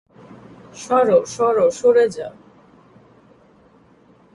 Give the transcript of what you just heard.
সরো, সরো, সরে যাও।